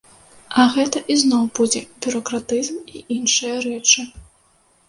А гэта ізноў будзе бюракратызм і іншыя рэчы.